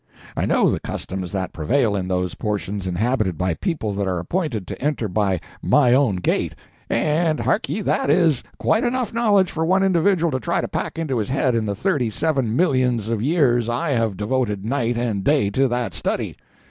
I know the customs that prevail in those portions inhabited by peoples that are appointed to enter by my own gate—and hark ye, that is quite enough knowledge for one individual to try to pack into his head in the thirty seven millions of years I have devoted night and day to that study.